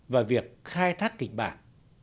và việc khai thác kịch bản